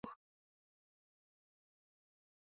د مېلمنو د لامبېدلو لپاره و.